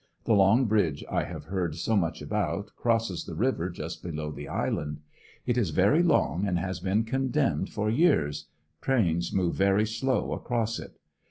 The long bridge I have heard so much about crosses the river just below the island. It is very long and has been condemned for years — trains move very slow across it.